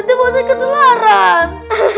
nanti bau saya ketularan